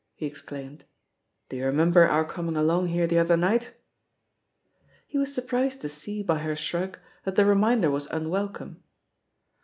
he exclaimed — ^'^do you remember our coming along here the other night?" He was surprised to see, by her shrug, that the reminder was unwelcome.